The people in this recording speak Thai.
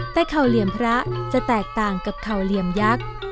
แต่เข่าเหลี่ยมพระจะแตกต่างกับเข่าเหลี่ยมยักษ์